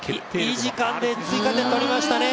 いい時間で追加点を取りましたね。